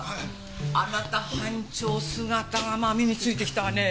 あなた班長姿が身に付いてきたわねえ！